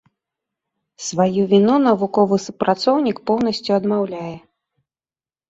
Сваю віну навуковы супрацоўнік поўнасцю адмаўляе.